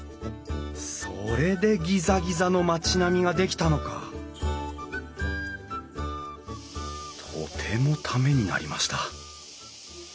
それでギザギザの町並みが出来たのかとてもためになりました。